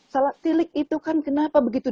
salak tilik itu kan kenapa begitu